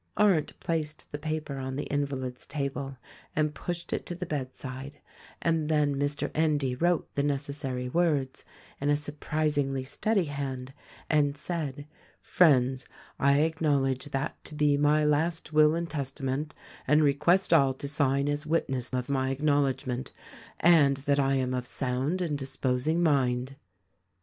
Arndt placed the paper on the invalid's table and pushed it to the bedside, and then Mr. Endy wrote the necessary words in a surprisingly steady hand, and said, "Friends, I acknowledge that to be my last will and testament and request all to sign as witness of my acknowledgment and that I am of sound and disposing mind."